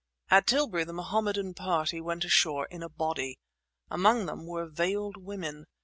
At Tilbury the Mohammedan party went ashore in a body. Among them were veiled women.